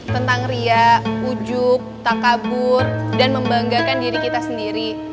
tentang riak ujuk takabur dan membanggakan diri kita sendiri